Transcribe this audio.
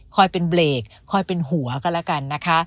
เป็นเบรกคอยเป็นหัวก็แล้วกันนะคะ